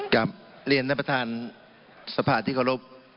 กลับเรียนท่านประธานสภาที่เคารพ